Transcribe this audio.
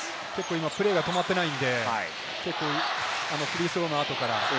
今、プレーが止まっていないのでフリースローの後から。